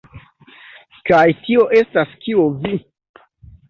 Kaj tio estas kio vi?